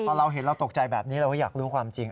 พอเราเห็นเราตกใจแบบนี้เราก็อยากรู้ความจริง